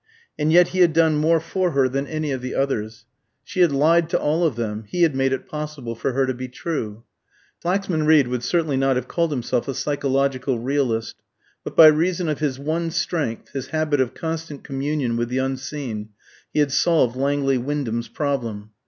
And yet he had done more for her than any of the others. She had lied to all of them; he had made it possible for her to be true. Flaxman Reed would certainly not have called himself a psychological realist; but by reason of his one strength, his habit of constant communion with the unseen, he had solved Langley Wyndham's problem.